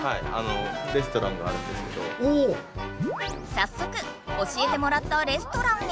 さっそく教えてもらったレストランへ！